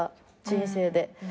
人生で。